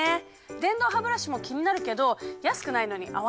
電動ハブラシも気になるけど安くないのに合わなかったら嫌だし！